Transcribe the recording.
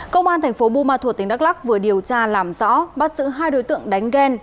công an tp bumathua tỉnh đắk lắc vừa điều tra làm rõ bắt giữ hai đối tượng đánh ghen